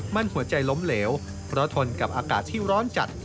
มันหัวใจล้มเหลวเพราะทนกับอากาศที่ร้อนจัด